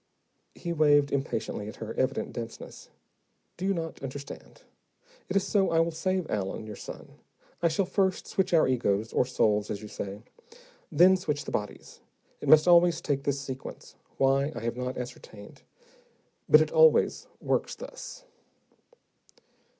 He waved impatiently at her evident denseness. "Do you not understand? It is so I will save Allen, your son. I shall first switch our egos, or souls, as you say. Then switch the bodies. It must always take this sequence; why, I have not ascertained. But it always works thus."